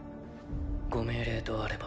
ご命令とあれば。